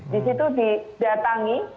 di situ didatangi